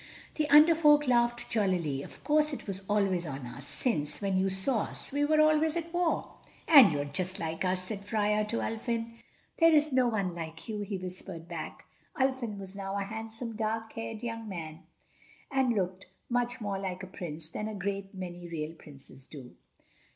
The Under Folk laughed jollily. "Of course it was always on us—since—when you saw us, we were always at war." "And you're just like us!" said Freia to Ulfin. "There is no one like you," he whispered back. Ulfin was now a handsome dark haired young man, and looked much more like a Prince than a great many real Princes do.